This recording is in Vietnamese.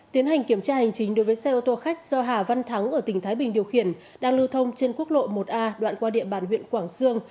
tiến hành kiểm tra hành chính đối với xe ô tô khách do hà văn thắng ở tỉnh thái bình điều khiển đang lưu thông trên quốc lộ một a đoạn qua địa bàn huyện quảng sương